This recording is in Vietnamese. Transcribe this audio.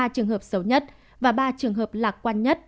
ba trường hợp xấu nhất và ba trường hợp lạc quan nhất